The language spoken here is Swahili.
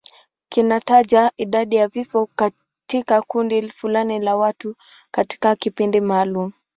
Kinataja idadi ya vifo katika kundi fulani la watu katika kipindi maalum.